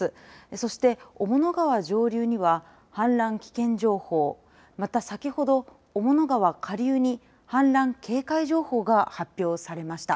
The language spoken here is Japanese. そして、雄物川上流には氾濫危険情報また先ほど雄物川下流に氾濫警戒情報が発表されました。